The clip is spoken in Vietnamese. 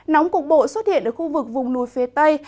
nóng cục bộ xuất hiện ở khu vực vùng núi phía tây